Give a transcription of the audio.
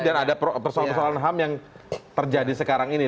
dan ada persoalan ham yang terjadi sekarang ini